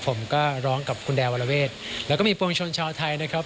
ผมก็ร้องกับคุณดาวรเวทแล้วก็มีปวงชนชาวไทยนะครับ